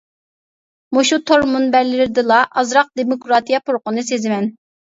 مۇشۇ تور مۇنبەرلىرىدىلا ئازراق دېموكراتىيە پۇرىقىنى سېزىمەن.